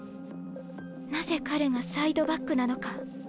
なぜ彼がサイドバックなのか。